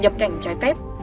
nhập cảnh trái phép